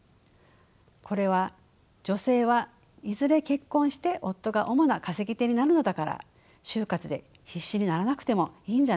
これは「女性はいずれ結婚して夫が主な稼ぎ手になるのだから就活で必死にならなくてもいいんじゃない？